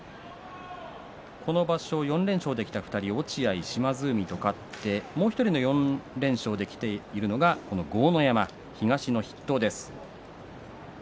この場所４連勝できた２人落合、島津海と勝ってもう１人の４連勝できているのがこの豪ノ山、東の筆頭です。